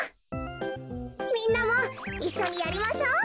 みんなもいっしょにやりましょう。